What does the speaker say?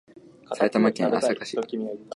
埼玉県朝霞市